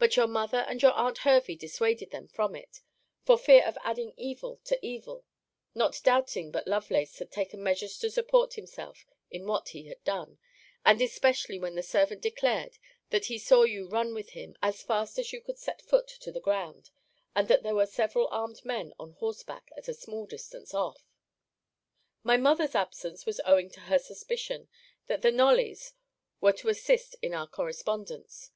But your mother and your aunt Hervey dissuaded them from it, for fear of adding evil to evil; not doubting but Lovelace had taken measures to support himself in what he had done; and especially when the servant declared, that he saw you run with him as fast as you could set foot to the ground; and that there were several armed men on horseback at a small distance off. My mother's absence was owing to her suspicion, that the Knolly's were to assist in our correspondence.